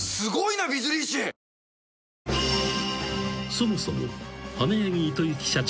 ［そもそも］